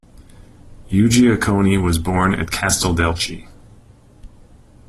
Uguccione was born at Casteldelci.